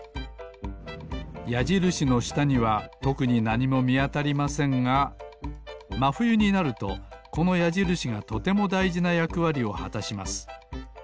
やじるしのしたにはとくになにもみあたりませんがまふゆになるとこのやじるしがとてもだいじなやくわりをはたします。